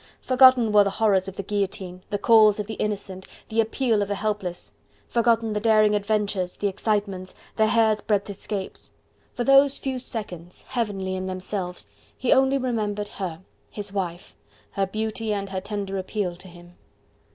Forgotten were the horrors of the guillotine, the calls of the innocent, the appeal of the helpless; forgotten the daring adventures, the excitements, the hair's breadth escapes; for those few seconds, heavenly in themselves, he only remembered her his wife her beauty and her tender appeal to him.